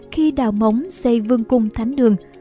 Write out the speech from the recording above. khi đào móng xây vương cung thánh đường